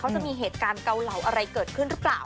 จะมีเหตุการณ์เกาเหลาอะไรเกิดขึ้นหรือเปล่า